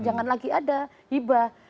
jangan lagi ada ibah